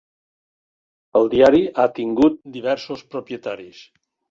El diari ha tingut diversos propietaris.